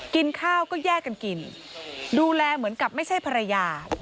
กินข้าวก็แยกกันกินดูแลเหมือนกับไม่ใช่ภรรยา